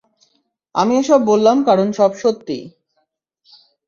আমি এসব বললাম কারণ সব সত্যি।